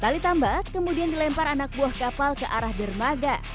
tali tambak kemudian dilempar anak buah kapal ke arah dermaga